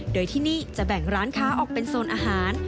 โดยที่นี่จะแบ่งร้านค้าออกเป็นโซนอาหาร